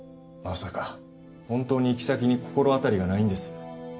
まさか本当に行き先に心当たりがないんです。